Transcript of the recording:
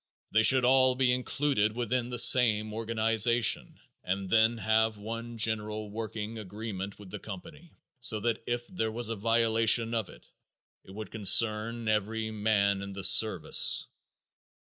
They should all be included within the same organization and then have one general working agreement with the company so that if there was a violation of it, it would concern every man in the service.